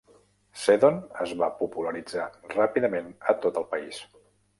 Seddon es va popularitzar ràpidament a tot el país.